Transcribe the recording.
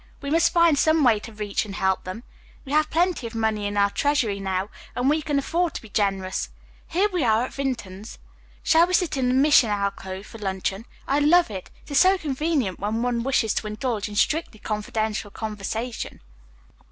We must find some way to reach and help them. We have plenty of money in our treasury now, and we can afford to be generous. Here we are at Vinton's. Shall we sit in the mission alcove for luncheon? I love it. It is so convenient when one wishes to indulge in strictly confidential conversation."